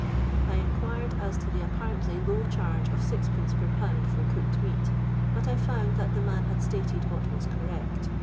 I inquired as to the apparently low charae of 6<2. per pound for cooked flnat, but I found that the man had stated what was correct.